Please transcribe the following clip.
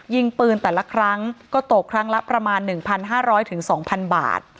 ยิงปืนแต่ละครั้งก็ตกครั้งละประมาณ๑๕๐๐๒๐๐บาท